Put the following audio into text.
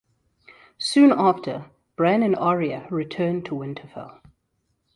Soon after, Bran and Arya return to Winterfell.